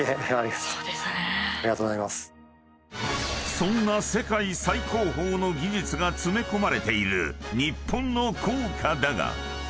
［そんな世界最高峰の技術が詰め込まれている日本の硬貨だが］